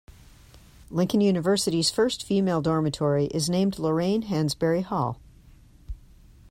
Lincoln University's first-year female dormitory is named Lorraine Hansberry Hall.